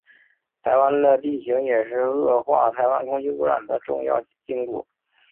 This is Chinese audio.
台湾的地形也是恶化台湾空气污染的重要因素。